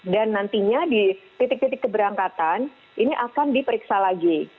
dan nantinya di titik titik keberangkatan ini akan diperiksa lagi